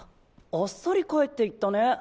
あっさり帰っていったね。